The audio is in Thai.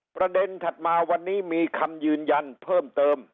ถัดมาวันนี้มีคำยืนยันเพิ่มเติม